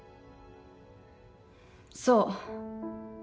そう。